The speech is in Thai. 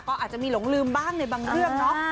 ก็อาจจะมีหลงลืมบ้างในบางเรื่องเนาะ